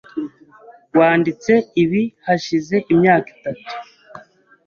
Wanditse ibi hashize imyaka itatu.